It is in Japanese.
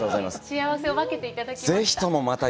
幸せを分けていただきました。